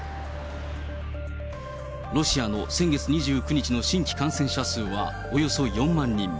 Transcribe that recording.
ロシアの先月２９日の新規感染者数はおよそ４万人。